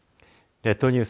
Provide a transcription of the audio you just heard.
列島ニュース